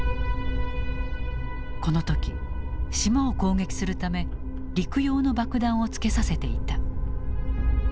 この時島を攻撃するため陸用の爆弾をつけさせていた。